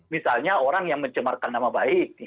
misalnya orang yang mencemarkan nama baik